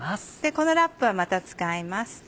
このラップはまた使います。